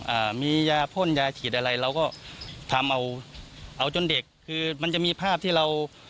อ่ามียาพ่นยาฉีดอะไรเราก็ทำเอาเอาจนเด็กคือมันจะมีภาพที่เรา